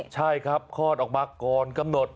ใช่ครับคลอดออกมาก่อนกำหนด